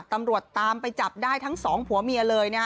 ตำรวจตามไปจับได้ทั้งสองผัวเมียเลยนะฮะ